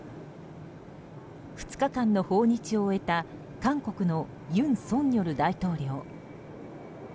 ２日間の訪日を終えた韓国の尹錫悦大統領。